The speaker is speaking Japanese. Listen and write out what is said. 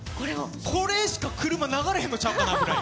これしか車流れへんのちゃうかなって。